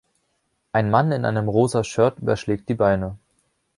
Ein Mann in einem rosa Shirt überschlägt die Beine.